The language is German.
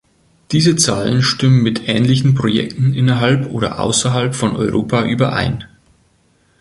Diese Zahlen stimmen mit ähnlichen Projekten innerhalb oder außerhalb von Europa überein.